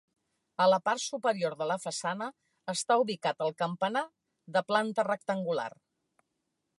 A la part superior de la façana està ubicat el campanar de planta rectangular.